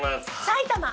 埼玉。